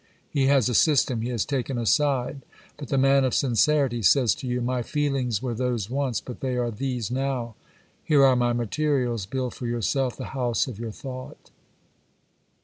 He has a system, he has taken a side. But the man of sincerity says to you :" My feelings were those once, but they are these now ; here are my materials, build for yourself the house of your thought."